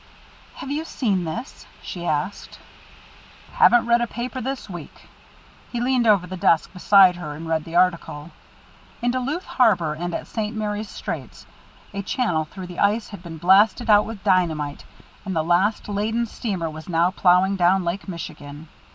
"Have you seen this?" she asked. "Haven't read a paper this week." He leaned over the desk beside her and read the article. In Duluth harbor, and at St. Mary's straits, a channel through the ice had been blasted out with dynamite, and the last laden steamer was now ploughing down Lake Michigan.